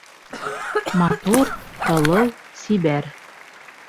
Матур, һылыу, сибәр